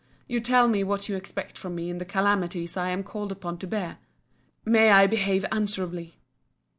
—you tell me what you expect from me in the calamities I am called upon to bear. May I behave answerably!